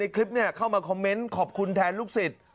คลิปนี้เข้ามาคอมเมนต์ขอบคุณแทนลูกศิษย์